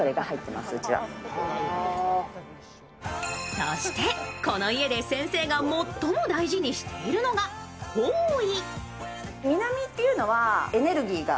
そして、この家で先生が最も大事にしているのが方位。